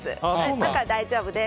だから、大丈夫です。